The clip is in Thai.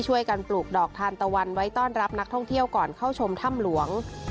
การปลูกดอกทานตะวันไว้ต้อนรับนักท่องเที่ยวก่อนเข้าชมถ้ำหลวง